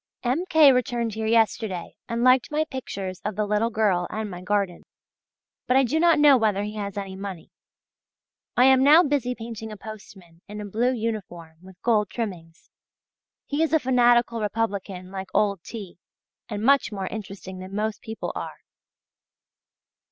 M. K. returned here yesterday, and liked my pictures of the little girl and my garden. But I do not know whether he has any money. I am now busy painting a postman in a blue uniform with gold trimmings; he is a fanatical Republican like old T., and much more interesting than most people are.